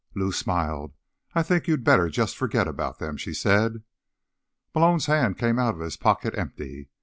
Lou smiled. "I think you'd better just forget about them," she said. Malone's hand came out of his pocket empty.